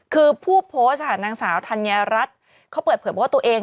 คือผู้โพสต์ค่ะนางสาวธัญรัฐเขาเปิดเผยว่าตัวเอง